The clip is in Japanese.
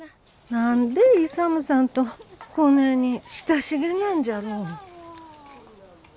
何で勇さんとこねえに親しげなんじゃろう。